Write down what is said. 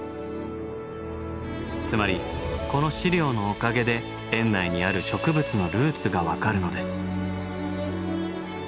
つまりこの資料のおかげで園内にある植物のルーツが分かるのです。